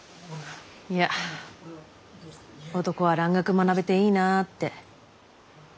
いや男は蘭学学べていいなぁって。